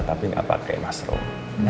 tapi gak pakai mushroom